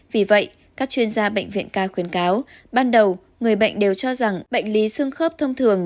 vì vậy các chuyên gia bệnh viện ca khuyến cáo ban đầu người bệnh đều cho rằng bệnh lý xương khớp thông thường